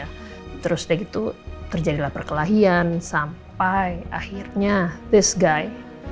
nah terus dari itu terjadilah perkelahian sampai akhirnya this guy